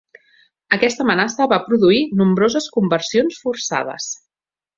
Aquesta amenaça va produir nombroses conversions forçades.